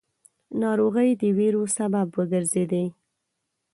ناروغۍ د وېرو سبب وګرځېدې.